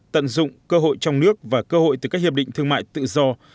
tận dụng cơ hội trong nước và cơ hội từ các hiệp định thương mại tự do